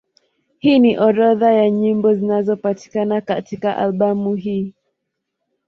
Hii ni orodha ya nyimbo zinazopatikana katika albamu hii.